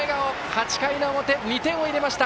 ８回の表、２点を入れました。